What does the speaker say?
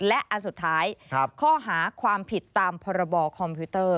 และอันสุดท้ายข้อหาความผิดตามพรบคอมพิวเตอร์